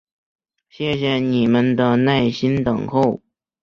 谢谢你们的耐心等候！